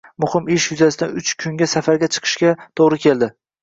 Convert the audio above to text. Muhim ish yuzasidan uch kunga safarga chiqishimga toʻgʻri keldi